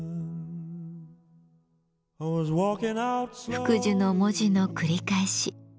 「福寿」の文字の繰り返し。